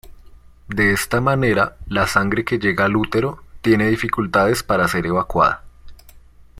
De esta manera, la sangre que llega al útero, tiene dificultades para ser evacuada.